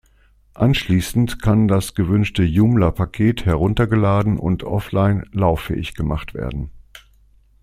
Anschließend kann das gewünschte Joomla-Paket heruntergeladen und offline lauffähig gemacht werden.